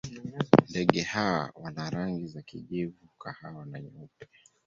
Ndege hawa wana rangi za kijivu, kahawa na nyeupe.